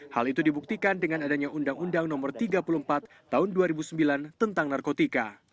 hal itu dibuktikan dengan adanya undang undang no tiga puluh empat tahun dua ribu sembilan tentang narkotika